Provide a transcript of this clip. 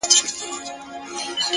صبر د لویو هدفونو ساتونکی دی،